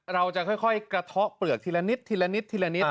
เราจะค่อยกระเทาะเปลือกทีละนิดทีละนิดทีละนิด